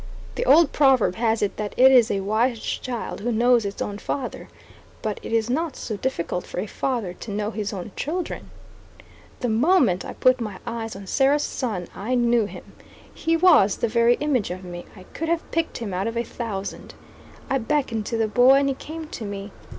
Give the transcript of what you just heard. The old proverb has it that it is a wise child who knows its own father; but it is not so difficult for a father to know his own children. The moment I put my eyes on Sarah's son, I knew him; he was the very image of me; I could have picked him out of a thousand. I beckoned to the boy and he came to me.